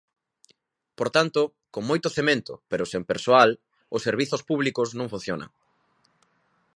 Por tanto, con moito cemento pero sen persoal os servizos públicos non funcionan.